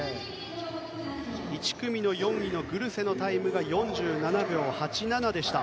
１組、４位のグルセのタイムが４７秒８７でした。